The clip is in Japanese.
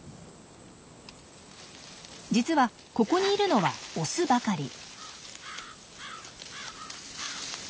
実はここにいるのはオスばかり。